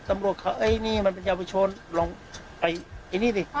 มันเข้าเอื้อไม่ได้นะตอนนี้มันถึงได้เข้าทางนี้ไง